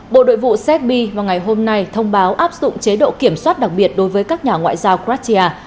bộ đội vụ serbia vào ngày hôm nay thông báo áp dụng chế độ kiểm soát đặc biệt đối với các nhà ngoại giao cratia